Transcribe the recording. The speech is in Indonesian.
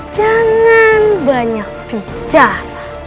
jangan banyak bicara